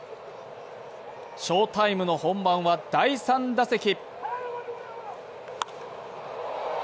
翔タイムの本番は第３打席。